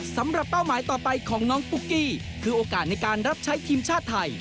เป้าหมายต่อไปของน้องปุ๊กกี้คือโอกาสในการรับใช้ทีมชาติไทย